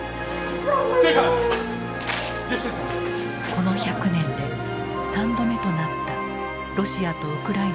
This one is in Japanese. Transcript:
この１００年で３度目となったロシアとウクライナの戦い。